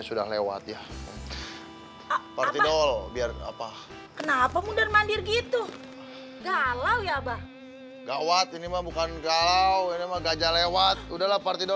hai sudah ngomong lagi kalau sudah cembokurnya sudah ngomong lagi kalau sudah cembokurnya sudah